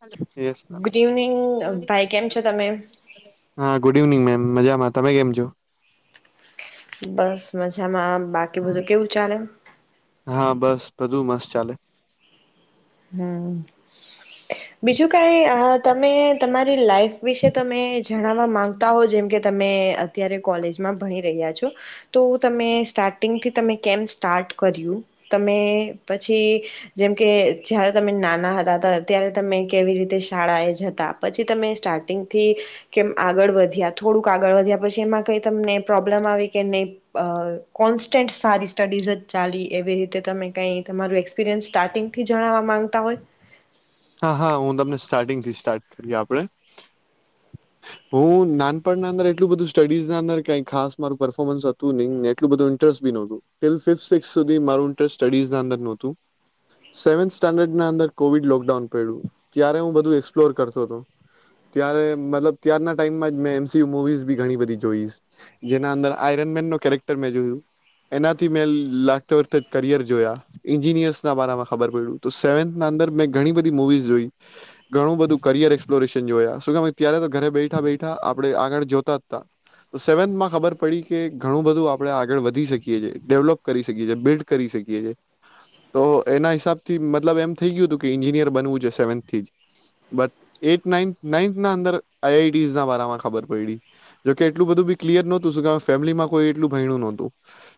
Hello yes ma'am good evening ભાઈ કેમ છો તમે હા ગુડ ઇવનિંગ મેમ. મજામાં તમે કેમ છો? બસ મજા જામાં બાકી બધું કેવું ચાલે? હા બસ બધું મસ્ત ચાલે. હમ્મ બીજું કઈ તમે તમારે. ની લાઈફ વિશે તમે જણવા માંગતા હો જેમ કે. તમે અત્યારે કોલેજમાં ભણી રહ્યા છો તો તમે સ્ટાર્ટિંગથી તમે કેમ સ્ટાર્ટ કર્યું તમે પછી જેમ કે જય્યારે તમે નાના હતા ત્યારે તમે કેવી રીતે શાળા એ જતા પછી તમે સ્ટાર્ટિંગથી કેમ આગળ વધ્યા થોડુંક આગળ વધ્યા પછી એમાં કઈ તમને પ્રોબ્લમ આવી કે નહી કોન્સ્ટન્ટ સારી સ્ટડીઝ જ ચાલી એવી રીતે તમે કઈ તમારું એક્સપિરિયન્સ સ્ટાર્ટિંગથી જ. હા હા હ તમ સ્ટારિંગથી સ્ટાર કરી આપ હું નાનપણના અંદર એટલું બધ સ્ટઝ અંદર ક ખાસ માું પરફોર્મન્સ હતું નહી એટલું બધું ઇન્ટરેસ્ટ બી ના હતું સેવન સ્ટેન્ડર ની અંદર કોડકડાઉન. ત્યારે હું બધું એક્સપ્લોર કરતો હતો ત્યારે મતલબ ત્યારના ટાઈમ જ મે એમસી મુવીઝ બી ઘણી બધી જોઈ જેના અંદર આયરન મેન ન કેરેક્ટર મેં જોયું એનાથી મેં લાગતા વખતે કરિયર જોયા ઈન્જિનિયર્સ ના બામાં ખબર પડ્યું તો સેવથ અંદર મેંણી. મૂવી જોઈ બધ કરયર એક્પ્રેશન જો ત્યારે ઘરે બેઠા બેઠા આપણે આગળ જોતા જ ત સેવથમાં ખબર પડી કે ઘણું બધું આપણે આગળ વધી શકીએએ ડેવલોપ કરી શકીએીએ બિલ્ડ કરી શકીએ તો એના હિસાબથી મલબ એમું. બનવું છે સેવનથી બટ એત નાઈન ની અંદર આઈઆટી ના વારામાં ખબર પડી જોકે એટલું બધું બી ક્લયર નહોતું ફેમિલીમાં કોઈ એટલું ભયણું નહોતું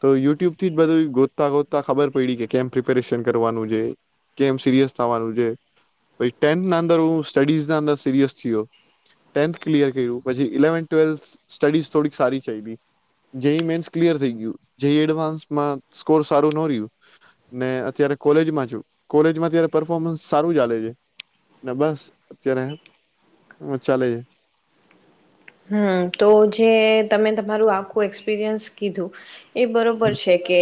તો યુટ્યુબ થી જ બધું ગોતતા ગોતતા ખબર પડી કે કેમ પ્રિપેરેશન કરવાનું છે કેમ સિરિયસ થવાનું છે. પછ ટેન્થના અંદર હું સ્ટડીઝ ના અંદર સિરિયસ થયો ટેન્થ ક્લિયર કર્યું પછી ઇલેવન્ ટ્વેલ્થ સ્ટડીઝ થોડીક સારી ચલી જે મેન્સ ક્લિયર થઈ ગયું જે એડવાન્સમાં સ્કોર સારું ન રહ્યું ને અત્યારે કોલેજમાં છ કોલેજમાં પરફોર્મન્સ સારું ચાલે છે બસ અત્યારે એ ચાલે છે. હમ્મ તો જે તમે તમારું આખું એક્સપિરિયન્સ કીધું. એ બરોબર છે કે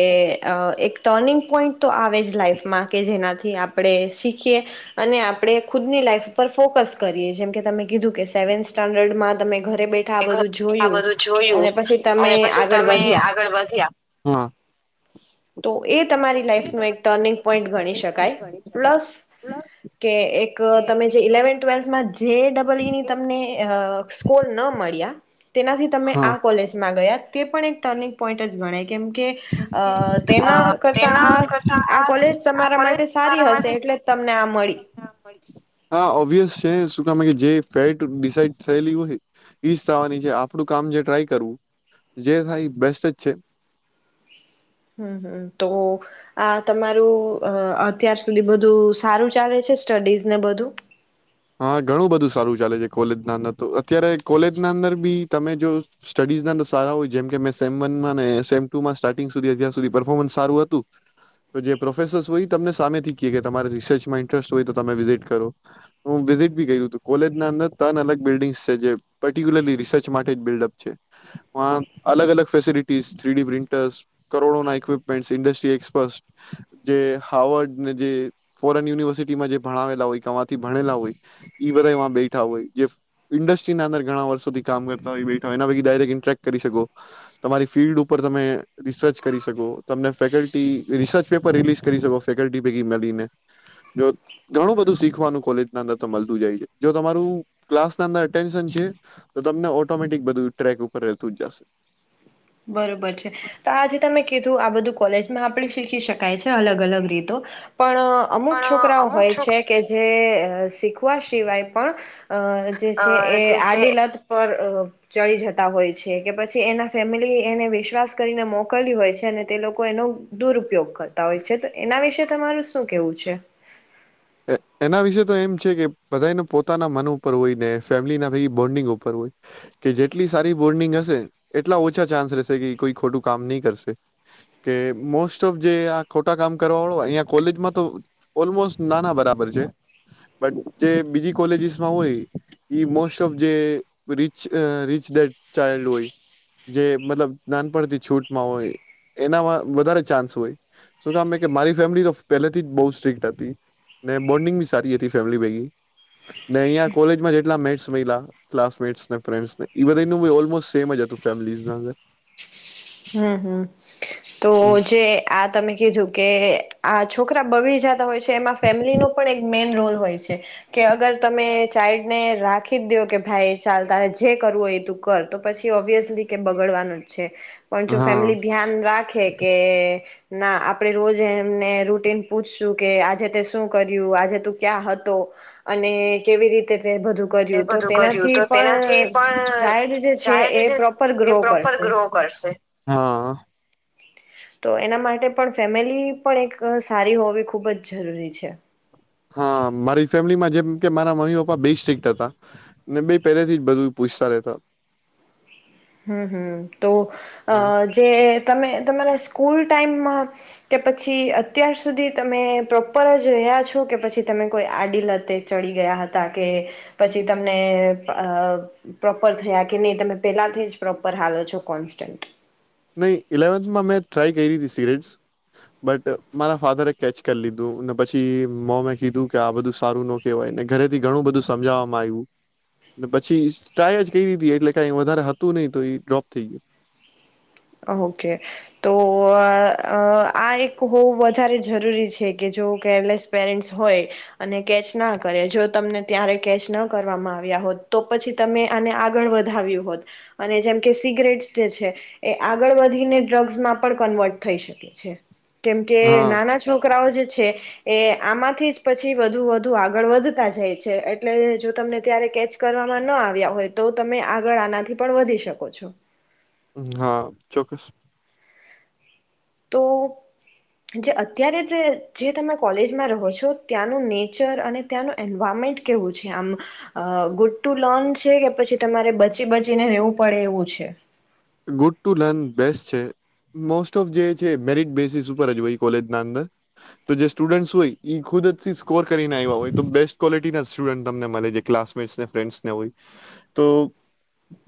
એક ટર્નિંગ પોઈન્ટ તો આવે જ લાઈફમાં કે જેનાથી આપણે શીખીએ અને આપણે ખુદની લાઈફ ઉપર ફોકસ કરીએ જેમ કે તમે કીધું કે સેવન્થ સ્ટાન્ડર્ડમાં તમે ઘરે બેઠા બધું આ જોયું બધું જોયું અને પછી તમે અને પછી આગળ તમે વધ્યા આગળ વધ્યા. તો એ તો તમારી એ લાઈફનો એક તમારી ટર્નિંગ લાઈફમાં એક પોઈન્ટ ગણી ટર્નિંગ શકાય પોઈન્ટ ગણી શકાય પ્લસ પ્લસ કે એક કે તમે જે એક ઇલેવન્થ ટ્વેલ્થમાં જે ડબલ ઈની તમને અ સ્કોર ન મળ્યા તેનાથી તમે હા આ કોલેજમાં ગયા. તે પણ એક ટર્નિંગ પોઈન્ટ જ ગણાય છે. કેમકે કેમ અ કે અ તેના કરતા આ તેના કરતા આ કોલેજ આ તમારા કોલેજ માટે સારી મારા હશે માટે એટલે તમને આ મળી. હા ઓબ્વિયસ છે જે ફેડ થયેલી હોય ઈ થવાની છે આપડું કામ જે ટ્રાય કરવું જે થાય બેસ્ટ જ છે. હમ્મ હમ્મ તો આ તમારું અત્યાર સુધી બધું સારું ચાલે છે સ્ટડીઝ ને બધું? હા ઘણું બધું સારું ચાલે છે કોલેજના અંદર તો અત્યારે કોલેજના અંદર બી તમે જો સ્ટડીઝના અંદર સારા હોય જેમ કે મે સેમ વનમાં સેમ ટુમાં સ્ટાર્ટિંગ સુધી અાર સુધી પરફોર્મન્સ સારું હતું તો જે પ્રોફેસર્સ હોય તમને સામેથી ક કે તમારે રિસર્ચમાં ઇન્ટરેસ્ટ હોય તો તમે વિઝિટ કરો. હું વિઝિટ બી કર કોલેજના અંદર ત્રણ અલગ બિલ્ડિંગ્સ છે જે પર્ટિક્યુલર રિસર્ચ માટે જ બિલ્ડઅપ છે અલગ અલગ ફેસિલટીસ થ્રીડી પ્રિન્ટર્સ કરોડોના ઇક્વિપમેન્ટ ઇન્ડસ્ટ્રી એક્સપર્ટ જે હાર્ર્ડને જે ફોરેન યુનિવર્સિટીમાં જે ભણાવલા હોયથી હોય બધા બેઠા હોય ન્સ્ટ્રી અંદર ઘણા વર્ષોથી કામ કરતાય બેા હોય એના પ ડાયક ઇન્ટક કરીકો તમારી ફિલ્ડ ઉપર તમે રિસર્ચ કરી શકો તલ રસર્ પેપ રિલીઝ કરી શકો ફેલ્ટ પૈને જો ઘણું બધું શીખવાનું કોલેજ અંદર મળતું જાય છે જો તમારું ક્લાસ અંદરટેન્શન છે તો તમને ઓટોમેટિક બધું ટ્રેક ઉપર રહેતું જ જશે. બરોબર છે તો આથી તમે કીધું આ બધું કોલેજમાં આપણે શીખી શકાય છે અલગ અલગ રીતો. પણ અમુક પણ છોકરાઓ અમુક હોય છોક છે કે સિખ વા સિવાય પણ અ જે છે એ જે છે આડી લત પર અ ચડી જતા હોય છે કે પછી એના ફેમિલી એને વિશ્વાસ કરીને મોકલી હોય છે અને તે લોકો એનો દુરપયોગ કરતા હોય છે તો એના વિશે તમારું શું કેવું છે. એના વિશેે તો એમ છે કે બધાને પોતાના મન ઉપર હોય ને ફેમિલીના બોન્ડિંગ ઉપર હોય કે જેટલી સારી બોન્ડિંગ હશે એટલા ઓછા ચાન્સ રહેશે કે કોઈ ખોટું કામ નહી કરશે કે મોસ્ટ ઓફ જે આ ખોટા કામ કરવા વાળો અહીંયા કોલેજમાં તો ઓલમોસ્ટ નાના બરાબર છે બ જે બીજી કોલેજીસમાં હોય મોસ્ટ ઓફ જે રી રીચ ડે ચઇલ્ડ હોય જે મતલબ નાનપણથી છૂટમાં હોય એનામાં વધારે ચાન્સ હોય શું કમે કે મારી ફેમિલી તો પહેલાથી જ બહ સ્ટ્રીક્ટ હતી. બોન્ડિંગ બી સારી હતી ફેમિલી પૈકીને અંયા કોલેજમાં જેટલા મેટ મહિલા ક્લાસમેટસને ફન્ડને એ બધા ઓલમોસ્ટ સેમ જ હતું ફે હમ હમ તો જે આ તમે કીધું કે આ છોકરા બગડી જતા હોય છે. એમાં ફેમલી ન પણ મેન રોલ હોય છે. કે અગર તમે ચાઇલ્ડ ને રાખી જ દ્યો કે ભાઈ ચાલ તારે જે કરવું હોય એ તું કર તો પછી ઓબ્વિયસલી કે બગડવાનું જ છે. પણ જો હા. ફેમિલી ધ્યાન રાખે કે ના આપણે રોજ એમને રૂટીન પૂછશું કે આજે તે શું કર્યું આજે તું ક્યાં હતો અને કેવી રીતે તે બધું એ કર્યું તો બધું કર્યું તેનાથી તો તેનાથી પણ પણ ચાઇલ્ડ જે છે એ ચાઇલ્ડ જે પ્રોપર એ ગ્રો પ્રોપર કરશે. ગ્રો કરશે. હા. તો એના માટે પણ ફેમિલી પણ એક સારી હોવી ખૂબ જ જરૂરી છે. હા મારી ફેમિલીમાં જેમ કે મારા મમ્મી પપ્પા બે સ્ટ્રિક્ટ હતા ને બે પહેલેથી જ બધું પૂછતા રતા. હમ હમ તો અ જે તમે તમારા સ્કૂલ ટાઈમમાં કે પછી અત્યાર સુધી તમે પ્રોપર જ રહ્યા છો કે પછી તમે કોઈ આડીલતે ચડી ગયા હતા કે પછી તમને પ્રોપર થયા કે નહી તમે પેલાથી જ પ્રોપર હો છો કોન્ન્ટ નહી ઇલેવન્થમાં મેં ટ્રાય કરી હતી સિગરેટ્સ બટ મારા ફાધરે કેચ કરી લીધું ને પછી મોમે કીધું કે આ બધું સારું ન કહેવાય ને ઘરેથી ઘણું બધું સમજાવવામાં આવ્યું ને પછી ટ્રાય જ કરી હતી એટલે કઈ વધારે હતું નહી તો એ ડ્રોપ થઈ ગયુ. ઓકે તો આ એક હો વધારે જરૂરી છે કે જો કેરલેસ પેરેન્ટ્સ હોય અને કેચ ના કરે જો તમને ત્યારે કેચ ના કરવામાં આવ્યા હોત તો પછી તમે આને આગળ વધાવ્યું હોત અને જેમ કે સિગરેટ્સ જે છે એ આગળ વધીને ડ્રગ્સમાં પણ કન્વર્ટ થઈ શકે છે. કેમ કે ગયું હા નાના છોકરાઓ જે છે છે એ આમાંથી જ પછી વધુ વધુ આગળ વધતા જાય છે એટલે જો તમને ત્યારે કેચ કરવામાં ન આવ્યા હોય તો તમે આગળ આનાથી પણ વધી શકો છો. હા ચોક્કસ. તો જે અત્યારે જે તમે કોલેજ રહો છો ત્યાંનું નેચર અને ત્યાંનું એન્વાયરમેન્ટ કેવું છે આમ ગુડ ટુ લર્ન છે કે પછી તમારે બચી બચીને રહેેવું પડે એવું છે. ગુડ ટુ લર્ન બેસ્ટ છે મોસ્ટ ઓફ જે છે મેરિટ બેઝીસ ઉપર જ હોય કોલેજના અંદર તો જે સ્ટુડન્ટસ હોય ખુદથી સ્કોર કરીને આવ્યા હોય તો બેસ્ટ ક્વોલિટીના સ્ટુડન્ટ તમને મળે ક્લાસમેટ્સને ફન્ડસને હોય તો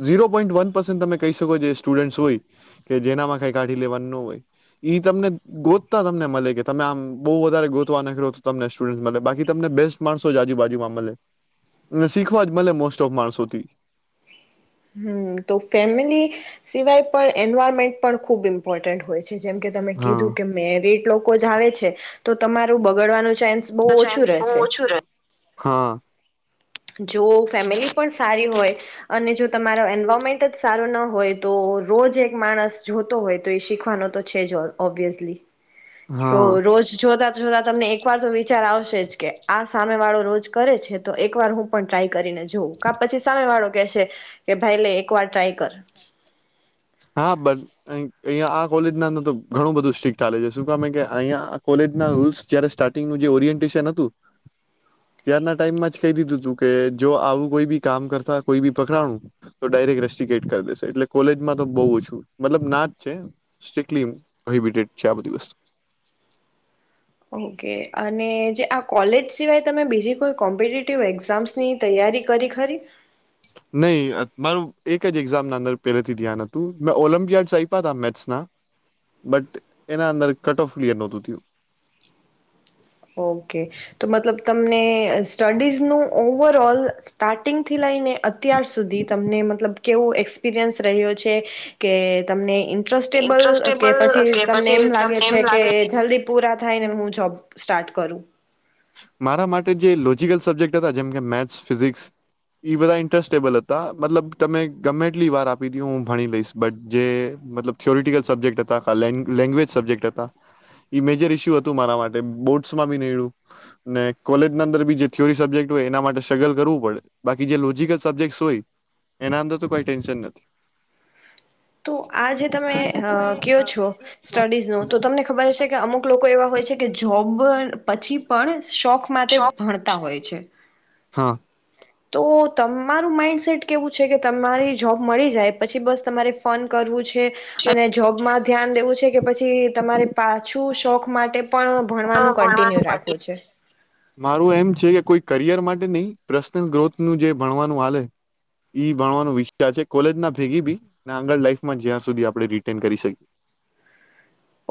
ઝીરો પોઈન્ટ વન પસન્ટ તમે કહી. જે સ્ટુડ હોય કે જેનામાં કઈ કાઢી લેવાનું ન હોય તમને ગોતતા તમને મળે કે તમે આમ બહુ વધારે ગોતવા ના કરો તો તમને સ્ટુડ મળે બાકી તમને બેસ્ટ માણસો જ આજુબાજુમાં મળે અને શીખવા જ મળે મોસ્ટ ઓફ માણસોથી હમ તો ફેમિલી સિવાય પણ એન્વાયરમેન્ટ પણ ખુબ ઇમ્પોર્ટન્ટ હોય છે. જેમ કે તમે કીધું હા કે મેરડ લોકો જ આવે છે તો તમારું બગડવાનું છે. ચાન્સ બહુ ઓછો રહે હા. જો ફેમિલી પણ સારી હોય અને જો તમારે એન્વાયરમેન્ટ જ સારો ના હોય તો રોજ એક માણસ જોતો હોય તો એ શીખવાનો તો છે જ ઓબ્વિયસલી. રો હા રોજ જોતા તો જોતા તમને એક વાર તો વિચાર આવશે કે આ સામે વાળો રોજ કરે છે તો એક વાર હું પણ ટ્રાય કરીને જુવો કાં પછી સામે વાળો કે સે કે ભાઈ લે એક વાર ટ્રાય કર. હા બ અહીંયા આ કોલેજ ના માં તો ઘણું બધું સ્ટ્રિક ચાલે છે, શું કામે કે અહીયાં કોલેજના રૂલ્સ જયારે સ્ટાર્ટિંગનું જે ઓરિયન્ટેશન હતું ત્યારના ટાઈમમાં જ કઈ દીધું તુ કે જો આવું કોઈ બી કામ કરતા કોઈ બી પકરાણું તો ડાયરેક્ટ રસ્ટિગેટ કરી દેશે એટલે કોલેજમાં તો બઊ જ મતલબ ના જ છે, સ્ટ્રીકલી પ્રોહિબીટેડ છે, આ બધી વસ્તુ ઓ કે અને જે આ કોલેજ સિવાય તમે બીજી કોઈ કોમ્પિટ કેવુ એક્ઝામસની તૈયારી કરી ખરી? નહઈ મારું એક જ એક્ઝામના અંદર પહેલાથી ધ્યાન હતું, મેં ઓલિમ્પિયાડ્સ આય્પા તા મેથ્સના બટ એના અંદર કટ ઓફ ક્લિયર નહોતું થ્યું. ઓ કે તો મતલબ તમને સ્ટડીઝનું ઓવરઓલ સ્ટાર્ટિંગથી લઈને અત્યાર સુધી તમને મતલબ કેવું એક્સપિરિયન્સ રહ્યો છે કે તમને ઇન્ટરેસ્ટેબલ કે ઇન્ટરેસ્ટેબલ પછી કે તમને એમ લાગે તમને એમ છે કે લાગે જલ્દી પૂરા થાય ને હું જોબ સ્ટાર્ટ કરું. મારા માટે જે લોજિકલ સબ્જેક્ટ હતા, જેમકે મેથ્સ, ફિઝિક્સ એ બધા ઇન્ટરેસ્ટેબલ હતા, મતલબ તમે ગમે એટલી વાર આપી દો હું ભણી લઈશ બટ જે મતલબ થિયોરિટિકલ સબ્જેક્ટ હતાા, લેંગ લેંગ્વેજ સબ્જેક્ટ હતા એ મેજર ઈસ્યુ હતું મારા માટે બોર્ડ્સમાં બી નયડુ. ને કોલેજના અંદર બી જે થીયોરી સબ્જેક્ટ હોય એના માટે સ્ટ્રગલ કરવું પડે, બાકી જે લોજિકલ સબ્જેક્ટ હોય એના અંદર તો કાંઈ ટેન્શન નથી. તો આ તો જે તમે આ જે અ તમે કેવ કયો છો છો સ્ટડીઝ નું, તો સ્ટડી તમને ખબર તો હશે કે તમે અમુક લોકો એવા હોય છે કે જોબ પછી પણ શોખ માટે ભણતા હોય છે. [inaudible] હાં. તો તમારું માઈન્ડસેટ કેવું છે કે તમારી જોબ મળી જાય પછી બસ તમારે ફોન કરવું છે. અને જોબમાં ધ્યાન દેવું છે કે પછી તમારે પાછું શોખ માટે પણ ભણવાનું કન્ટિન્યુ રાખવું છે મારું એમ છે કે કોઈ કરિયર માટે નહી પર્સનલ ગ્રોથનું જે ભણવાનું આવે એ ભણવાનું વિસ્ટાર છે, કોલેજના ભેગી બી આગળ લાઈફમાં જ્યાં સુધી આપણે રિટેન કરી શકીએ.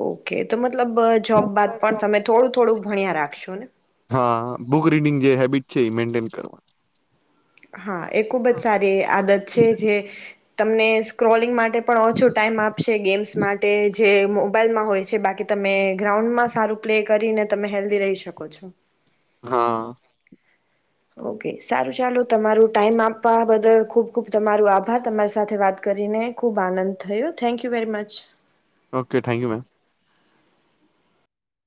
ઓ કે તો મતલબ જોબ બાદ પણ જોબ તમે થોડું થોડું ભણ્યા રાખશો. હા બુક રીડિંગ જે હેબિટ છે, એ મેન્ટેન કરવા. હા એ ખુબ જ સારી આદત છે જે તમને સ્ક્રોલિંગ માટે પણ ઓછો ટાઈમ આપશે ગેમ્સ માટે જે મોબાઈલમાં હોય છે, બાકી તમે ગ્રાઉન્ડમાં સારું પ્લે કરીને તમે હેલ્ધી રહી શકો છો. હા. ઓ કે સારું ચાલુ તમારું ટાઈમ આપવા બદલ ખુબ ખુબ તમારુ આભાર, તમારે સાથે વાત કરીને ખૂબ આનંદ થયો, thank you very much. Okay thank you ma'am.